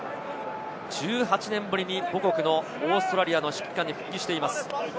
１８年ぶりに母国のオーストラリアの指揮官に復帰しています。